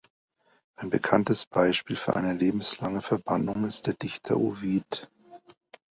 Ein bekanntes Beispiel für eine lebenslange Verbannung ist der Dichter Ovid.